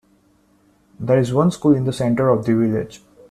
There is one school in the centre of the village.